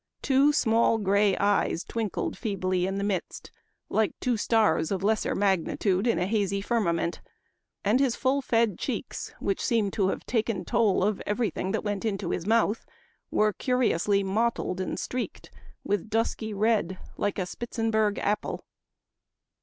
Two small gray eyes twinkled feebly in the midst, like two stars of lesser magnitude in a hazy firmament ; and his full fed cheeks, which seemed to have taken toll of every thing that went into his mouth, were curiously mottled and streaked with dusky red, like a Spitzenberg apple."